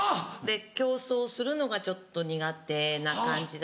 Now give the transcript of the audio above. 競争するのがちょっと苦手な感じだったんで。